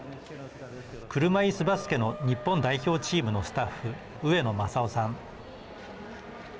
車いすバスケの日本代表チームのスタッフ上野正雄さん。